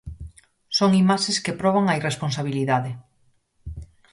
Son imaxes que proban a irresponsabilidade.